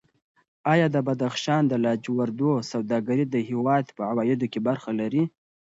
ایا د بدخشان د لاجوردو سوداګري د هېواد په عوایدو کې برخه لري؟